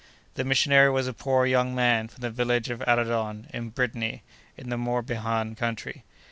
The missionary was a poor young man from the village of Aradon, in Brittany, in the Morbihan country.